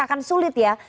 akan sulit ya